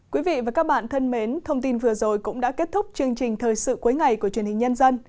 quý vị và các bạn thân mến thông tin vừa rồi cũng đã kết thúc chương trình thời sự cuối ngày của truyền hình nhân dân